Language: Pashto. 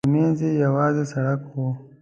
ترمنځ یې یوازې سړک و.